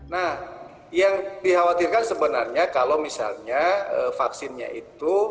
nah yang dikhawatirkan sebenarnya kalau misalnya vaksinnya itu